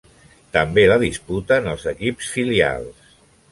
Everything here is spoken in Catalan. També la disputen els equips filials.